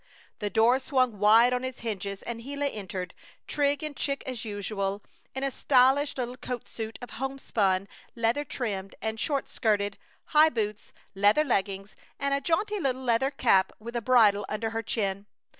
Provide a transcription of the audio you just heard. The door swung wide on its hinges and Gila entered, trig and chic as usual, in a stylish little coat suit of homespun, leather trimmed and short skirted, high boots, leather leggings, and a jaunty little leather cap with a bridle under her chin.